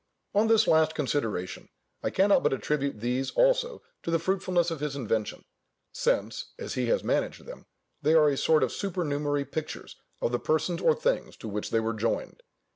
On this last consideration I cannot but attribute these also to the fruitfulness of his invention, since (as he has managed them) they are a sort of supernumerary pictures of the persons or things to which they were joined.